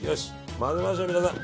混ぜましょう、皆さん。